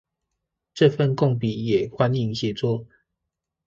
這份共筆也歡迎協作